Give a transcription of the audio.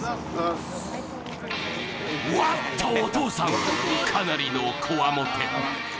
おおっと、お父さん、かなりのこわもて。